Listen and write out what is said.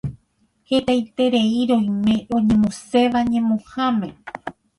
Hetaiterei roime roñemuséva ñemuháme